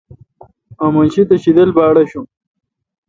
آمن شی تہ شیدل باڑآشون۔